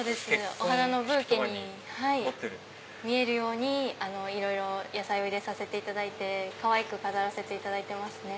お花のブーケに見えるようにいろいろ野菜を入れてかわいく飾らせていただいてますね。